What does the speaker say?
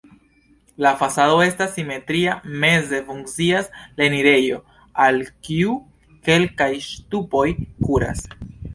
La fasado estas simetria, meze funkcias la enirejo, al kiu kelkaj ŝtupoj kuras.